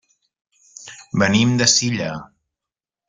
Venim de Silla.